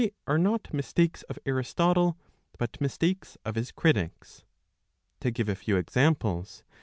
They are not mistakes of Aristotle, but mistakes of his critics. To give a few examples.